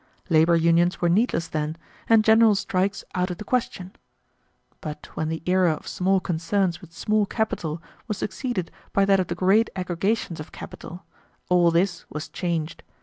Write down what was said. Labor unions were needless then, and general strikes out of the question. But when the era of small concerns with small capital was succeeded by that of the great aggregations of capital, all this was changed.